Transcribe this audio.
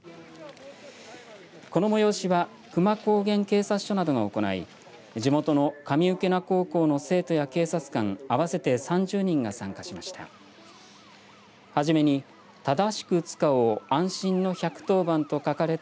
この催しは久万高原警察署などが行い地元の上浮穴高校の生徒や警察官合わせて３０人が参加しました。